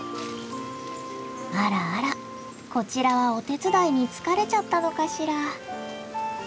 あらあらこちらはお手伝いに疲れちゃったのかしら？